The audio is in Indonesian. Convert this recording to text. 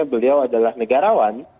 jadi beliau adalah negarawan